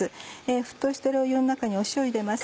沸騰してる湯の中に塩を入れます。